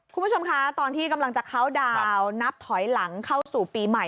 คุณผู้ชมคะตอนที่กำลังจะเคาน์ดาวนนับถอยหลังเข้าสู่ปีใหม่